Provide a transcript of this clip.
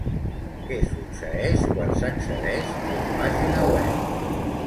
Què succeeix quan s'accedeix a la pàgina web?